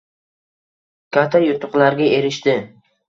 katta yutuqlarga erishdi